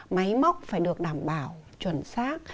máy móc phải được đảm bảo chuẩn xác